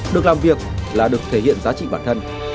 được làm việc là được thể hiện giá trị bản thân